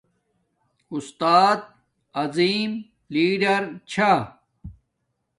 اُستاد عظم لیڑر چھا